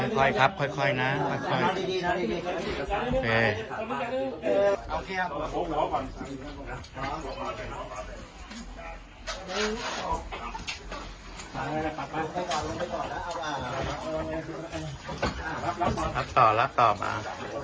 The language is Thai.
ค่อยครับค่อยนะค่อยครับต่อแล้วต่อมา